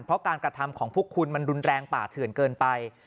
เพราะการกระทำของพวกคุณมันรุนแรงป่าเถื่อนเกินไป